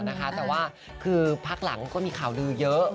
แต่ว่าคือพักหลังก็มีข่าวลือเยอะ